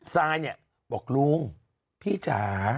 ซายเนี่ยบอกลุงพี่จ๋า